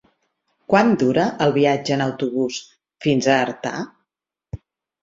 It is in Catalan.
Quant dura el viatge en autobús fins a Artà?